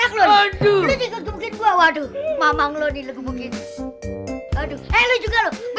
maklum aduh aduh waduh mamang lo di lubukin aduh eh lu juga lo